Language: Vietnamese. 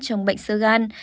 trong bệnh sơ gan